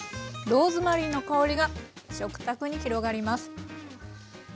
ローズマリーの香りが食卓に広がります。